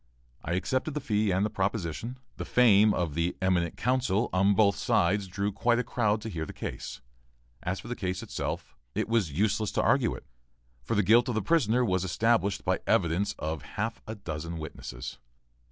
I accepted the fee and proposition. The fame of the "eminent counsel" on both sides drew quite a crowd to hear the case. As for the case itself, it was useless to argue it, for the guilt of the prisoner was established by evidence of half a dozen witnesses.